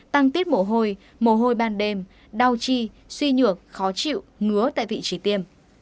tăng tiết mồ hôi mồ hôi ban đêm đau chi suy nhược khó chịu ngứa tại vị trí tiêm